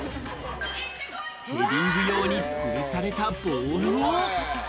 ヘディング用に吊るされたボールを。